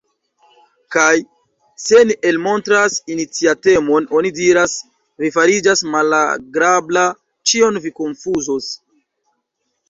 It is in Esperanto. Kaj se ni elmontras iniciatemon oni diras: Vi fariĝas malagrabla, ĉion vi konfuzos.